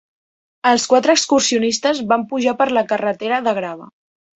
Els quatre excursionistes van pujar per la carretera de grava.